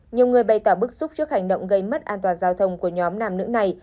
nhiều người bày tỏ bức xúc trước hành động gây mất an toàn giao thông của nhóm nam nữ này